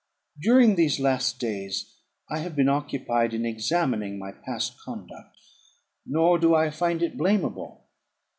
During these last days I have been occupied in examining my past conduct; nor do I find it blamable.